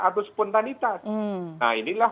atau spontanitas nah inilah